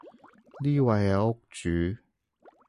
呢位係屋主